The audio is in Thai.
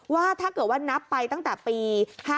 ว่าถ้าเกิดว่านับไปตั้งแต่ปี๕๗